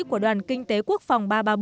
của đoàn kinh tế quốc phòng ba trăm ba mươi bảy